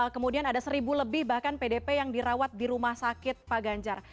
kemudian ada seribu lebih bahkan pdp yang dirawat di rumah sakit pak ganjar